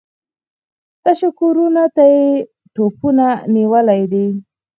تشو کورونو ته يې توپونه نيولي دي.